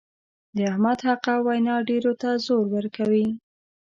د احمد حقه وینا ډېرو ته زور ورکوي.